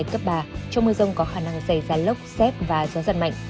trong mưa rông có khả năng xảy ra lốc xét và gió giật mạnh